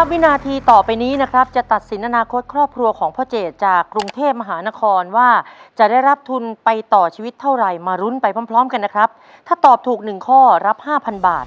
วินาทีต่อไปนี้นะครับจะตัดสินอนาคตครอบครัวของพ่อเจดจากกรุงเทพมหานครว่าจะได้รับทุนไปต่อชีวิตเท่าไหร่มารุ้นไปพร้อมกันนะครับถ้าตอบถูก๑ข้อรับ๕๐๐บาท